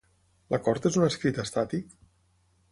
L'acord és un escrit estàtic?